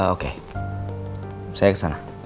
oke saya kesana